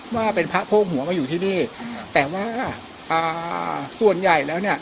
ว่าเป็นพระโพกหัวมาอยู่ที่นี่แต่ว่าอ่าส่วนใหญ่แล้วเนี่ย